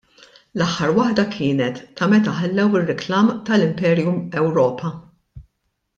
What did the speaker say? L-aħħar waħda kienet ta' meta ħallew ir-riklam tal-Imperium Ewropa.